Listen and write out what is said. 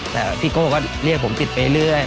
แต่พี่โก้ก็เรียกผมปิดไปเรื่อย